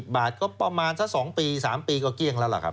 บาทก็ประมาณสัก๒ปี๓ปีก็เกลี้ยงแล้วล่ะครับ